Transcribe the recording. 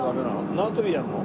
縄跳びやるの？